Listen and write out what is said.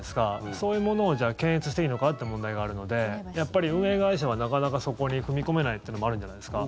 そういうものを検閲していいのかって問題があるのでやっぱり運営会社はなかなかそこに踏み込めないってのもあるんじゃないですか。